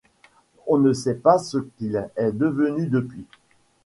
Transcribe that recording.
On ne sait pas ce qu'il est devenu depuis.